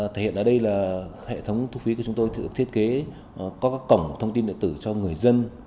thế hiện ở đây là hệ thống thu phí của chúng tôi được thiết kế có các cổng thông tin đại tử cho người dân